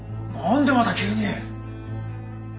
何でまた急に